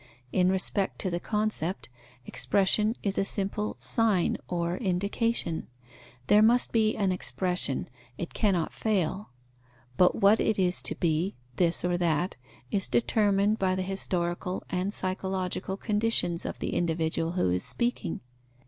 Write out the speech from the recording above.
In respect to the concept, expression is a simple sign or indication. There must be an expression, it cannot fail; but what it is to be, this or that, is determined by the historical and psychological conditions of the individual who is speaking.